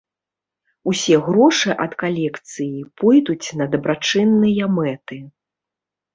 Усе грошы ад калекцыі пойдуць на дабрачынныя мэты.